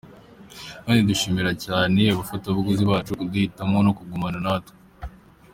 Kandi dushimira cyane abafatabuguzi bacu kuduhitamo no kugumana natwe.